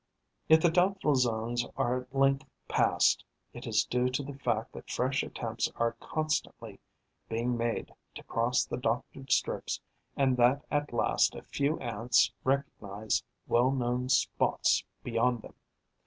If the doubtful zones are at length passed, it is due to the fact that fresh attempts are constantly being made to cross the doctored strips and that at last a few Ants recognize well known spots beyond them.